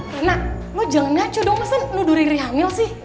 rana lo jangan ngacu dong kenapa lo duri duri hamil sih